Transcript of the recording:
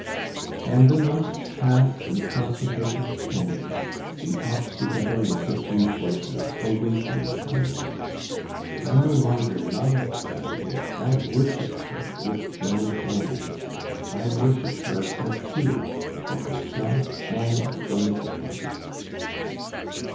And the months passed in concentrated tenderness. We talked together in subdued voices, awaiting some one. I no longer loved Babet: I worshipped her with joined hands; I worshipped her for two, for herself and the little one.